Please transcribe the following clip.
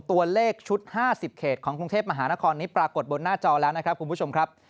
ตัวเลขชุด๕๐เขตของกรุงเทพมหานครนี้ปรากฏบนหน้าจอแล้วนะครับคุณผู้ชมครับ